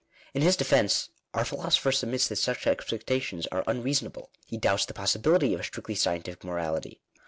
In his defence, our philosopher submits that such expecta tions are unreasonable. He doubts the possibility of a strictly scientific morality.